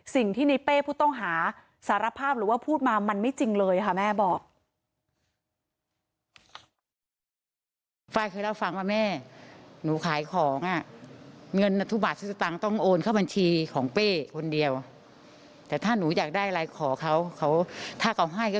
สิ่งที่ในเป้ผู้ต้องหาสารภาพหรือว่าพูดมามันไม่จริงเลยค่ะแม่บอก